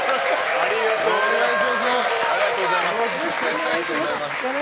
ありがとうございます。